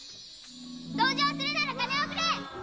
同情するなら金をくれ！